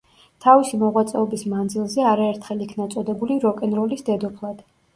თავისი მოღვაწეობის მანძილზე არაერთხელ იქნა წოდებული „როკ-ენ-როლის დედოფლად“.